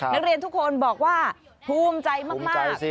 นักเรียนทุกคนบอกว่าภูมิใจมาก